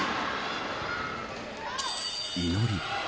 祈り。